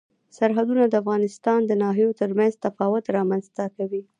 سرحدونه د افغانستان د ناحیو ترمنځ تفاوتونه رامنځ ته کوي.